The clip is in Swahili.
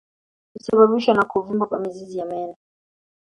Husababishwa na kuvimba kwa mizizi ya meno